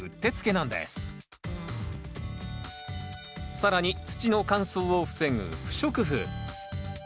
更に土の乾燥を防ぐ不織布。